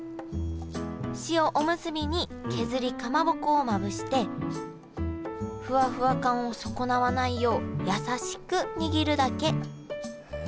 塩おむすびに削りかまぼこをまぶしてフワフワ感を損なわないよう優しく握るだけ。